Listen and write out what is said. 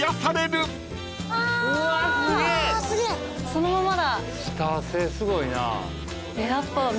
そのままだ。